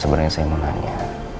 sebenernya saya mau nanya